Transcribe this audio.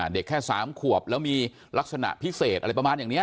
เด็กแค่๓ขวบแล้วมีลักษณะพิเศษอะไรประมาณอย่างนี้